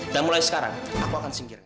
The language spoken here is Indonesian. dan mulai sekarang aku akan singkirkan